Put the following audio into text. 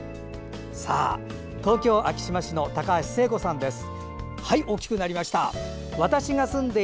東京・昭島市の高橋聖子さんです。